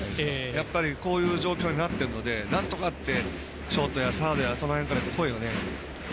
やっぱりこういう状況になってるのでなんとかってショートやサードやその辺から声がね。